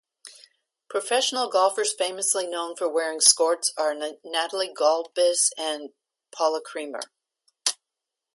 Professional golfers famously known for wearing skorts are Natalie Gulbis and Paula Creamer.